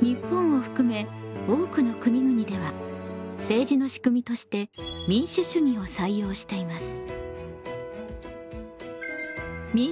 日本を含め多くの国々では政治のしくみとして民主主義を採用しています。